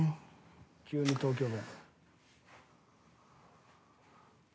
急に東京弁。